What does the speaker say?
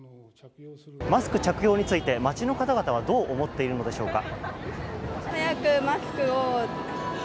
マスク着用について街の方々はどう思っているのでしょうか。